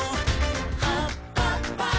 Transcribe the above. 「はっぱっぱ！」